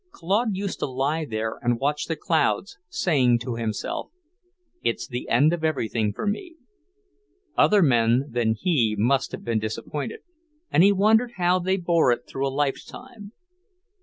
Claude used to lie there and watch the clouds, saying to himself, "It's the end of everything for me." Other men than he must have been disappointed, and he wondered how they bore it through a lifetime.